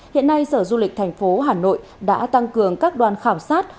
hiện nay sở du lịch thành phố hà nội đã tăng cường các đoàn khảo sát